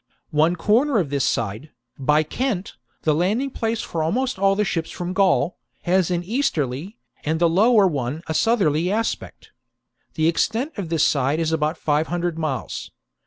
One corner of this side, by Kent — the landing place for almost all ships from Gaul — has an easterly, and the lower one a southerly aspect. The extent of this side is about five hundred miles.